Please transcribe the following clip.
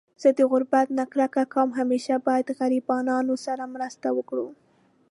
زه د غربت نه کرکه کوم .همیشه باید غریبانانو سره مرسته وکړو